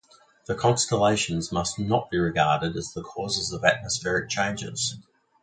The constellations must not be regarded as the causes of atmospheric changes.